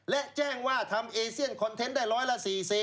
และแจ้งว่าทำเอเซียนคอนเทนต์ได้ร้อยละ๔๐